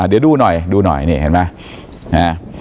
เดี๋ยวดูหน่อยดูหน่อยนี่เห็นไหม